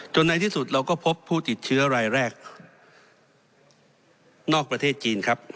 ในที่สุดเราก็พบผู้ติดเชื้อรายแรกนอกประเทศจีนครับ